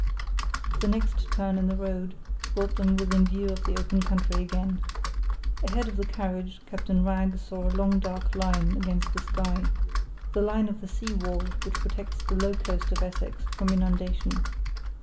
The next turn in the road brought them within view of the open country again. Ahead of the carriage, Captain Wragge saw a long dark line against the sky—the line of the sea wall which protects the low coast of Essex from inundation.